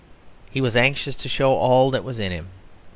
He was anxious to show all that was in him.